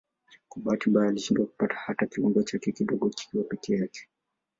Kwa bahati mbaya alishindwa kupata hata kiwango chake kidogo kikiwa peke yake.